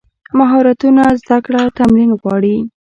مهارتونه زده کړه تمرین غواړي.